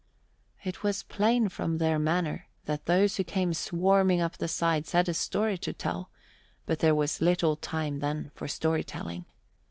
It was plain from their manner that those who came swarming up the sides had a story to tell, but there was little time then for story telling.